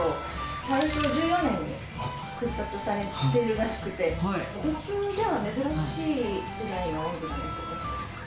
大正１４年に掘削されているらしくて普通では珍しいくらいの温度なんですよね。